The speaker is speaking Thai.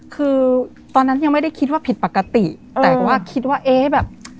คือตอนนั้นยังไม่ได้คิดว่าผิดปกติแต่ว่าคิดว่าเอ๊ะแบบ